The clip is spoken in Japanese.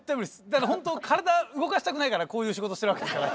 だからホント体動かしたくないからこういう仕事してるわけですから。